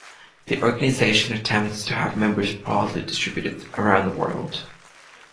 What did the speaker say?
The organisation attempts to have members broadly distributed around the world.